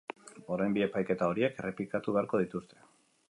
Orain bi epaiketa horiek errepikatu beharko dituzte.